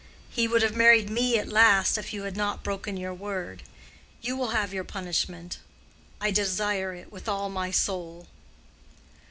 He would have married me at last, if you had not broken your word. You will have your punishment. I desire it with all my soul.